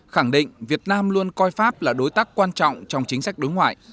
khẳng định việt nam luôn coi pháp là đối tác quan trọng trong chính sách đối ngoại